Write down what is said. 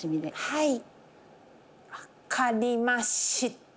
はい。